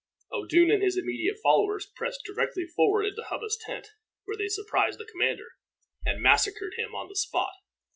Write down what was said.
Odun and his immediate followers pressed directly forward into Hubba's tent, where they surprised the commander, and massacred him on the spot.